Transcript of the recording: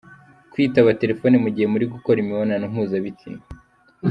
Kwitaba telephone mu gihe muri gukora imibonano mpuzabitsina:.